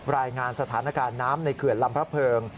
รายงานสถานการณ์น้ำในเขื่อนลำพระเพิง